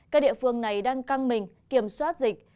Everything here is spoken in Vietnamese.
các địa phương này đang căng mình kiểm soát dịch